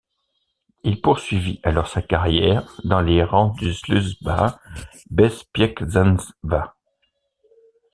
Il poursuivit alors sa carrière dans les rangs du Służba Bezpieczeństwa.